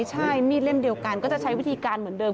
ใช่มีดเล่มเดียวกันก็จะใช้วิธีการเหมือนเดิม